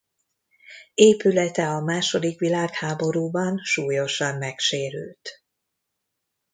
Épülete a második világháborúban súlyosan megsérült.